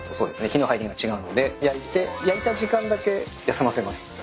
火の入りが違うので焼いて焼いた時間だけ休ませます。